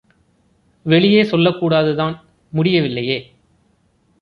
வெளியே சொல்லக்கூடாதுதான் முடியவில்லையே!